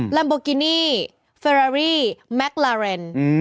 ลัมโบกินี่เฟอรารี่แม็กลาเรน